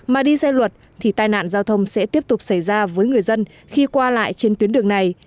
mà đi xe luật thì tai nạn giao thông sẽ tiếp tục xảy ra với người dân khi qua lại trên tuyến đường này